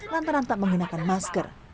lantaran tak menggunakan masker